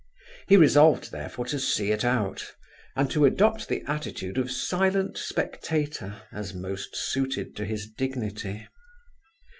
He resolved therefore, to see it out, and to adopt the attitude of silent spectator, as most suited to his dignity.